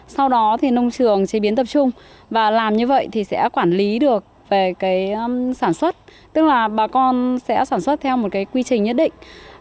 sau đó thì nông trường chế biến tập trung và làm như vậy thì sẽ quản lý được về cái sản xuất tức là bà con sẽ sản xuất theo một cái quy trình nhất định